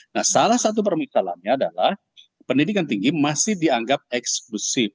nah salah satu permasalahannya adalah pendidikan tinggi masih dianggap eksklusif